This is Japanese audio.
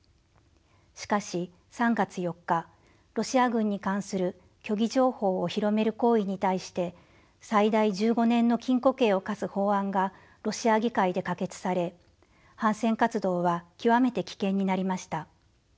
しかし３月４日ロシア軍に関する虚偽情報を広める行為に対して最大１５年の禁錮刑を科す法案がロシア議会で可決され反戦活動は極めて危険になりました。